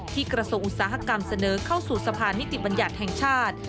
กระทรวงอุตสาหกรรมเสนอเข้าสู่สะพานนิติบัญญัติแห่งชาติ